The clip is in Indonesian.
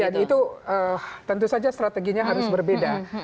itu tentu saja strateginya harus berbeda